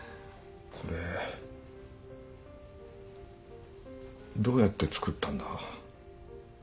これどうやって作ったんだ？